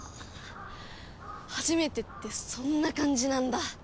初めてってそんな感じなんだ。